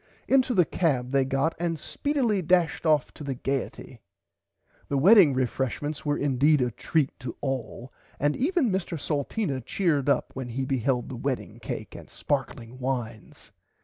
Into the cab they got and speedelly dashed off to the Gaierty. The wedding refreshments were indeed a treat to all and even Mr Salteena cheered up when he beheld the wedding cake and sparkling wines.